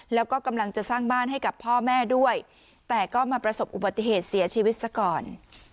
แล้วก็กำลังจะสร้างบ้านให้กับพ่อแม่ด้วยแต่ก็มาประสบอุบัติเหตุเสียชีวิตซะก่อน